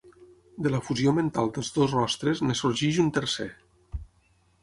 De la fusió mental dels dos rostres en sorgeix un tercer.